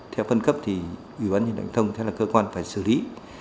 theo phân cấp thì ủy ban nhân dân của bạch thông theo là cơ quan phải xử lý